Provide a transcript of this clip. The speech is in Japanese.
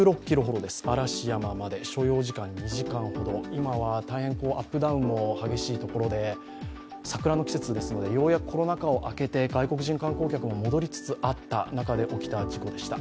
今は大変アップダウンも激しいところで桜の季節ですのでようやくコロナ禍を明けて外国人観光客なども戻りつつあった中で起きた事故でした。